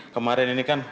kemarin ini kan